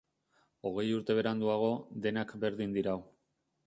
Hogei urte beranduago, denak berdin dirau.